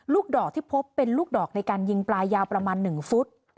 ดอกที่พบเป็นลูกดอกในการยิงปลายาวประมาณ๑ฟุต